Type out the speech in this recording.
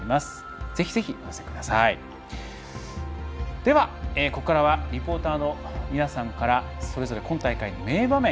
では、ここからはリポーターの皆さんからそれぞれ今大会の名場面